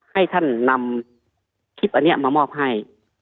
ให้ท่านนำคลิปอันนี้มามอบให้